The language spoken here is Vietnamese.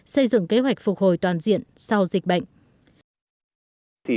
xây dựng kế hoạch phục hồi toàn diện sau dịch bệnh